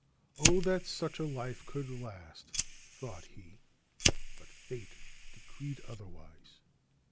c Oh that such a life could last !' thought he ; but fate decreed otherwise.